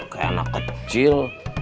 kayak anak kecil